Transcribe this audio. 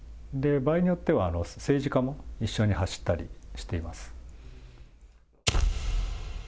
場合によっては、政治家も一緒に走ったりしています。